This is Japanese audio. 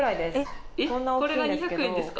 これが２００円ですか？